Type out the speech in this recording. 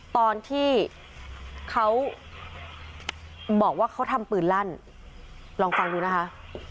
ตอนที่เขาบอกว่าเขาทำปืนลั่นลองฟังดูนะคะ